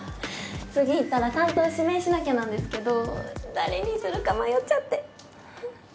次行ったら担当指名しなきゃなんですけど誰にするか迷っちゃって。